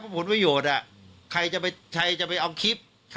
ครับบันหลวงผลวิโยชน์อะใครจะไปใครจะไปเอาคิดใครจะ